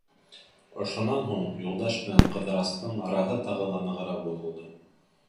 Ошонан һуң Юлдаш менән Ҡыҙырастың араһы тағы ла нығыраҡ боҙолдо.